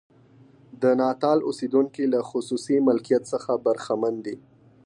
د ناتال اوسېدونکي له خصوصي مالکیت څخه برخمن دي.